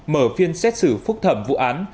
mở phiên xét xử phúc thẩm vụ án